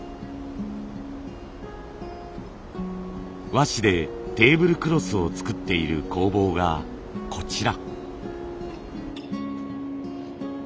和紙でテーブルクロスを作っている工房がこちら。